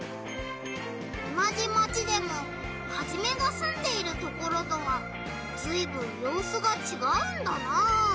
おなじマチでもハジメがすんでいるところとはずいぶんようすがちがうんだな。